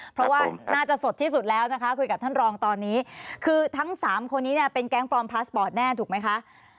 เพราะว่าน่าจะสดที่สุดแล้วนะคะคุยกับท่านรองตอนนี้คือทั้งสามคนนี้เนี่ยเป็นแก๊งปลอมพาสปอร์ตแน่ถูกไหมคะ